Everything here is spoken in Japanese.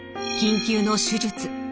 緊急の手術。